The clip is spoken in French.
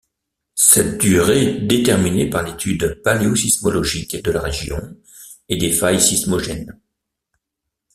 Cette durée est déterminée par l'étude paléosismologique de la région et des failles sismogènes.